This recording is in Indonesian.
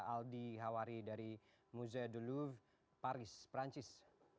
aldi hawari dari musee du louvre paris perancis